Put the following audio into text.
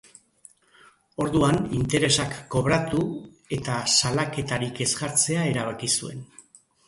Orduan, interesak kobratu eta salaketarik ez jartzea erabaki zuen.